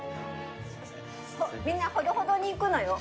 みんなほどほどにいくのよ。